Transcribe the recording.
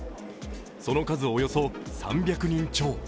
その数、およそ３００人超。